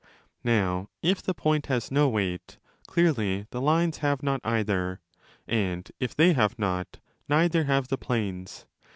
Now if the point has no weight, clearly the lines have not either, and, if they have not, neither have the planes.